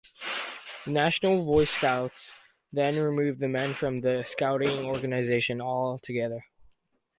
The national Boy Scouts then removed the men from the scouting organization altogether.